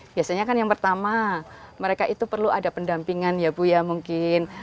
biasanya kan yang pertama mereka itu perlu ada pendampingan ya bu ya mungkin